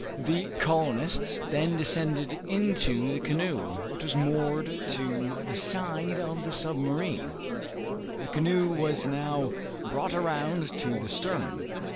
The colonists then descended into the canoe, which was moored to the side of the submarine vessel. The canoe was now brought around to the stern.